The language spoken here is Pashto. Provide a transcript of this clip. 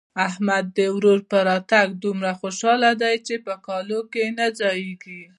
احمد د ورور په راتګ دومره خوشاله دی چې په کالو کې نه ځايېږي.